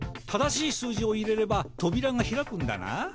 正しい数字を入れればとびらが開くんだな。